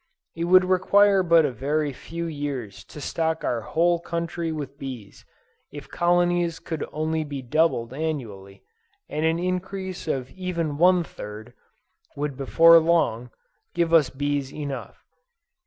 It would require but a very few years to stock our whole country with bees, if colonies could only be doubled annually; and an increase of even one third, would before long, give us bees enough.